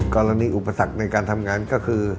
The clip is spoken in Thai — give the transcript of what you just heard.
อุปสรรคในการทำงานก็คือ